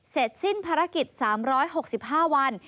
เสร็จสิ้นภารกิจ๓๖๕วัน